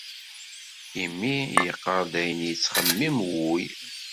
Imi yeqqar-d ayen yettxemmim wul.